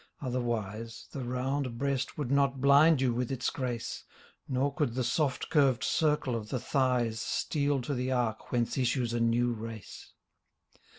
Otherwise The round breast would not blind you with its grace, Nor could the soft curved circle of the thighs Steal to the arc whence issues a new race.